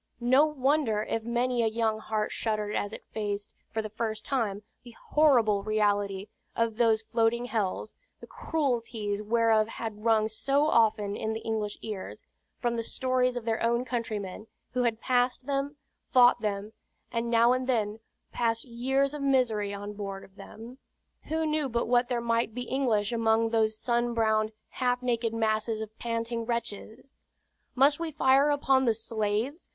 No wonder if many a young heart shuddered as it faced, for the first time, the horrible reality of those floating hells, the cruelties whereof had rung so often in the English ears, from the stories of their own countrymen, who had passed them, fought them, and now and then passed years of misery on board of them. Who knew but what there might be English among those sun browned, half naked masses of panting wretches? "Must we fire upon the slaves?"